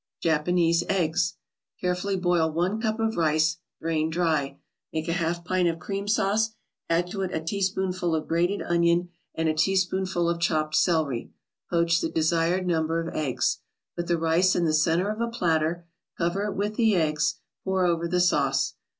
JAPANESE EGGS Carefully boil one cup of rice, drain dry. Make a half pint of cream sauce, add to it a teaspoonful of grated onion and a teaspoonful of chopped celery. Poach the desired number of eggs. Put the rice in the center of a platter, cover it with the eggs, pour over the sauce.